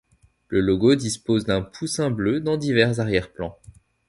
Le logo dispose d'un poussin bleu dans divers arrière plans.